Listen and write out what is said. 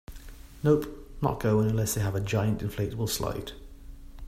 Nope, not going unless they have a giant inflatable slide.